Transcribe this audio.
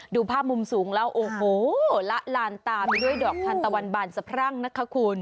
ดูภาพมุมสูงแล้วโอ้โหละลานตามด้วยดอกทันตะวันบานสะพรั่งนะคะคุณ